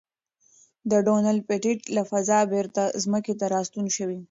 ډونلډ پېټټ له فضا بېرته ځمکې ته راستون شوی.